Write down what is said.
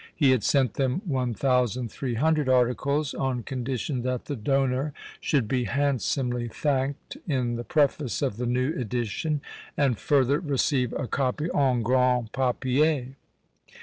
He had sent them one thousand three hundred articles, on condition that the donor should be handsomely thanked in the preface of the new edition, and further receive a copy en grand papier.